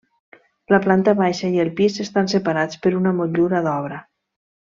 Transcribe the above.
La planta baixa i el pis estan separats per una motllura d'obra.